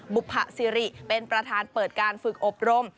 บุภสิริเป็นประธานเปิดการฝึกอบรม